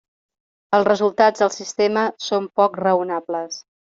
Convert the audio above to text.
Els resultats del sistema són poc raonables.